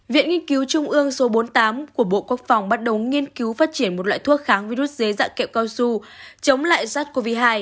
viện nghiên cứu trung ương số bốn mươi tám của bộ quốc phòng bắt đầu nghiên cứu phát triển một loại thuốc kháng virus dưới dạng kẹo cao su chống lại sars cov hai